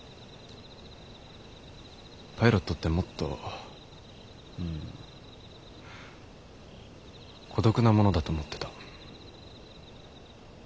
パイロットってもっと孤独なものだと思ってた。